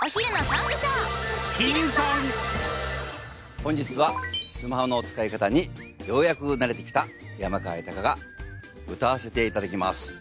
本日はスマホの使い方にようやく慣れてきた山川豊が歌わせていただきます。